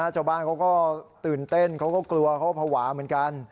ชาวบ้านเขาก็ตื่นเต้นเขาก็กลัวเขาก็ภาวะเหมือนกัน